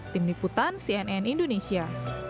tim liputan cnn indonesia